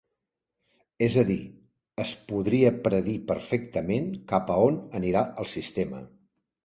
És a dir, es podria predir perfectament cap a on anirà el sistema.